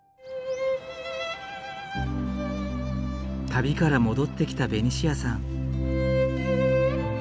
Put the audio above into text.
旅から戻ってきたベニシアさん。